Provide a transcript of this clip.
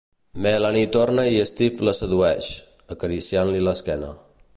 Melanie torna i Steve la sedueix, acariciant-li l"esquena.